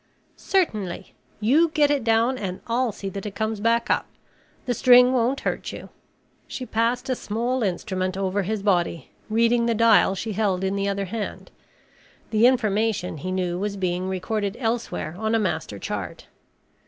"Certainly. You get it down and I'll see that it comes back up. The string won't hurt you." She passed a small instrument over his body, reading the dial she held in the other hand. The information, he knew, was being recorded elsewhere on a master chart.